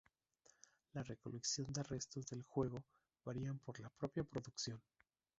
La recolección de retos del juego varían por la propia producción.